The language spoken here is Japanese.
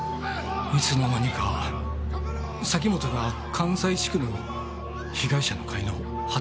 いつの間にか崎本が関西地区の被害者の会の旗振り役になってました。